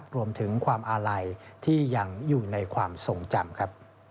รวมถึงความอาลัยที่ยังอยู่ในความทรงจำครับ